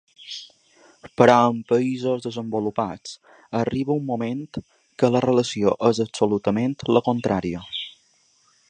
Però en països desenvolupats, arriba un moment que la relació és absolutament la contrària.